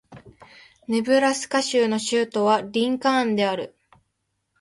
ネブラスカ州の州都はリンカーンである